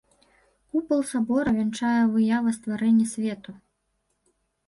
Купал сабора вянчае выява стварэнні свету.